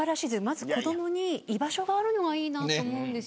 まず、子どもに居場所があるのがいいなと思うんです。